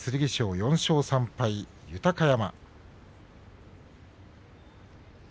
４勝３敗豊山。